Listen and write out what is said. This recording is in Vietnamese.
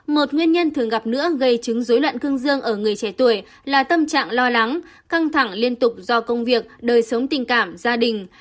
một nguyên nhân thường gặp nữa gây chứng dối loạn cương dương ở người trẻ tuổi là tâm trạng lo lắng căng thẳng liên tục do công việc đời sống tình cảm gia đình